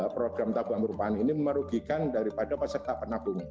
program tabungan merupakan ini merugikan daripada pasir tak penabung